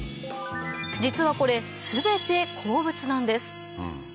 実はこれ全て鉱物なんです